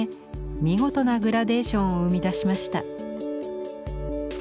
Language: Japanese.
見事なグラデーションを生み出しました。